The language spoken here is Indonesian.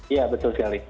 iya betul sekali